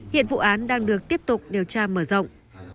hiện vụ án đang được tiếp tục điều tra mở rộng